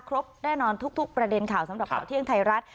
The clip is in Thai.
แน่นอนทุกประเด็นข่าวสำหรับข่าวเที่ยงไทยรัฐ